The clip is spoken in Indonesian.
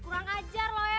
kurang ajar lo ya